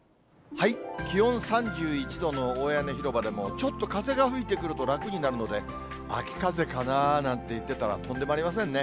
気温３１度の大屋根広場でも、ちょっと風が吹いてくると、楽になるので、秋風かななんて言ってたら、とんでもありませんね。